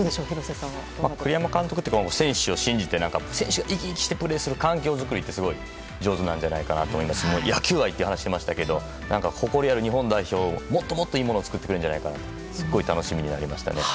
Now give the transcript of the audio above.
栗山監督は選手を信じて選手が生き生きしてプレーする環境づくりがすごくうまいと思うので野球愛って話していましたが誇りある日本代表をもっともっと、いいものを作ってくれるんじゃないかとすごい楽しみになりましたね。